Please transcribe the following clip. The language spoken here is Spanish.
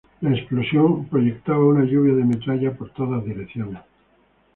La explosión proyectaba una lluvia de metralla por todas direcciones.